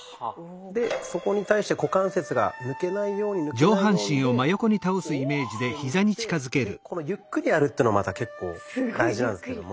でそこに対して股関節が抜けないように抜けないようにでつけにいってでこのゆっくりやるっていうのはまた結構大事なんですけども。